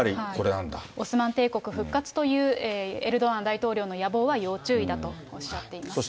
オスマン帝国復活という、エルドアン大統領の野望は要注意だとおっしゃっています。